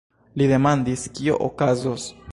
Li demandis: "Kio okazos?